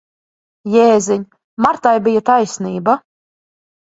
Jēziņ! Martai bija taisnība.